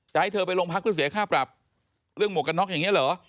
ให้เธอไปโรงพักเพื่อเสียค่าปรับเรื่องหมวกกันน็อกอย่างนี้เหรอ